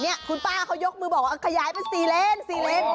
นี่คุณป้าเขายกมือบอกว่ากระยายมา๔เลน